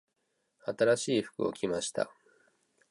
新しい服を着ました。